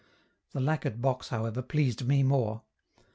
The lacquered box, however, pleased me more.